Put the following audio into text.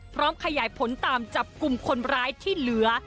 พร้อมขยายผลตามจับกลุ่มคนร้ายที่เหลือ